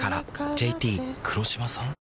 ＪＴ黒島さん？